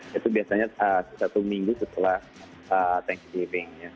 itu biasanya satu minggu setelah thanksgivingnya